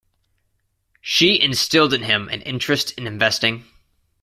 She instilled in him an interest in investing.